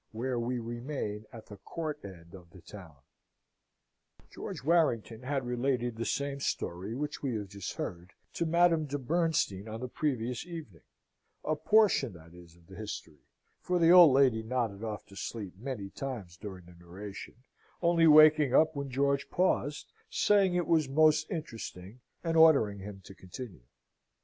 Where we remain at the Court End of the Town George Warrington had related the same story, which we have just heard, to Madame de Bernstein on the previous evening a portion, that is, of the history; for the old lady nodded off to sleep many times during the narration, only waking up when George paused, saying it was most interesting, and ordering him to continue.